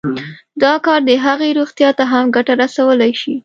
دا کار د هغې روغتيا ته هم ګټه رسولی شي